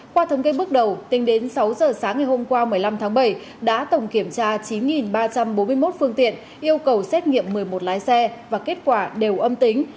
qua thống kê bước đầu tính đến sáu giờ sáng ngày hôm qua một mươi năm tháng bảy đã tổng kiểm tra chín ba trăm bốn mươi một phương tiện yêu cầu xét nghiệm một mươi một lái xe và kết quả đều âm tính